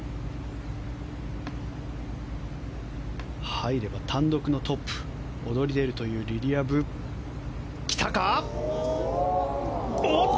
入れば単独のトップに躍り出るというリリア・ブでした。